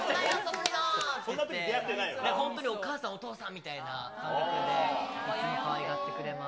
お母さん、お父さんみたいな感覚で、いつもかわいがってくれます。